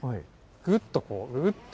ぐっとこう、ぐっと。